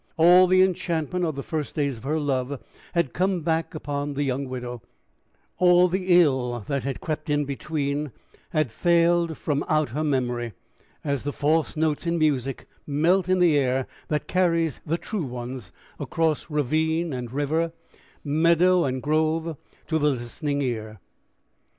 All the enchantment of the first days of her love had come back upon the young widow; all the ill that had crept in between had failed from out her memory, as the false notes in music melt in the air that carries the true ones across ravine and river, meadow and grove, to the listening ear.